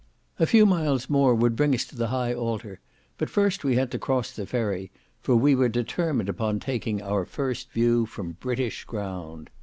A few miles more would bring us to the high altar, but first we had to cross the ferry, for we were determined upon taking our first view from British ground.